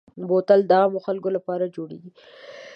بوتل د عامو خلکو لپاره جوړېږي.